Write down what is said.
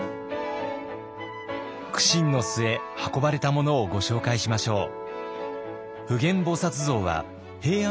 苦心の末運ばれたものをご紹介しましょう。